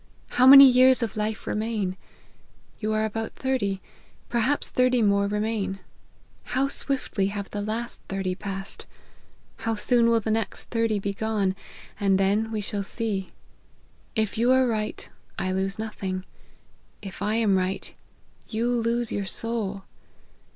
How many years of life remain ? You are about thirty, perhaps thirty more remain. How swiftly have the last thirty passed : how soon will the next thirty be gone : and then we shall see. If you are right, I lose nothing ; if I am right, you lose your soul.